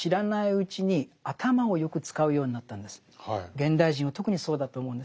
現代人は特にそうだと思うんですね。